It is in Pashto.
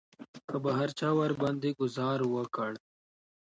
که به هر چا ورباندې ګوزار وکړ.